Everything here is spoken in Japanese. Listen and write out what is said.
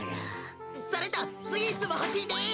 それとスイーツもほしいです。